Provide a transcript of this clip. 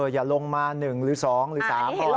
อย่าลงมา๑หรือ๒หรือ๓พอ